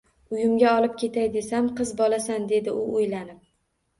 Uyimga olib ketay desam, qiz bolasan, dedi u o`ylanib